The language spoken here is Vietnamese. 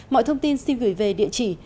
mọi thông tin xin gửi về địa chỉ